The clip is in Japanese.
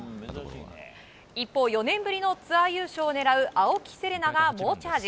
一方、４年ぶりのツアー優勝を狙う青木瀬令奈が猛チャージ。